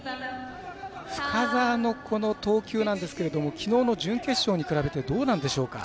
深沢の投球なんですけどもきのうの準決勝に比べてどうなんでしょうか？